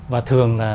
và thường là